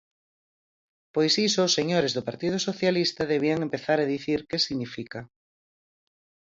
Pois iso os señores do Partido Socialista debían empezar a dicir que significa.